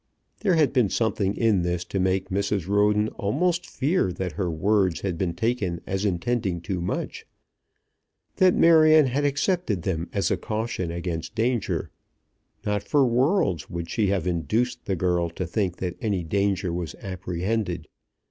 There had been something in this to make Mrs. Roden almost fear that her words had been taken as intending too much, that Marion had accepted them as a caution against danger. Not for worlds would she have induced the girl to think that any danger was apprehended.